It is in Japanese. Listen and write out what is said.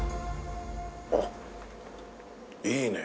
あっいいね。